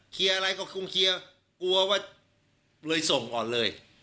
อะไรก็คงเคลียร์กลัวว่าเลยส่งก่อนเลย